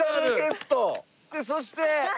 でそして。